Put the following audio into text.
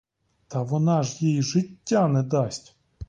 Та вона ж їй життя не дасть!